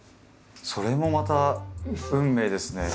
それもまた運命ですね。